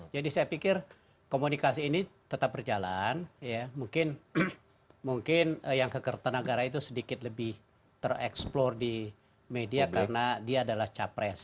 jadi saya pikir komunikasi ini tetap berjalan mungkin yang ke kertanegara itu sedikit lebih tereksplor di media karena dia adalah capres